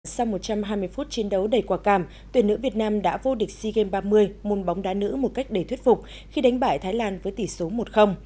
sau một trăm hai mươi phút chiến đấu đầy quả càm tuyển nữ việt nam đã vô địch sea games ba mươi môn bóng đá nữ một cách đầy thuyết phục khi đánh bại thái lan với tỷ số một